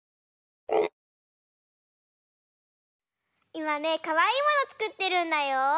いまねかわいいものつくってるんだよ。